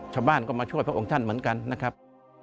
ชาวบ้านก็มาช่วยพระองค์ท่านเหมือนกันนะครับ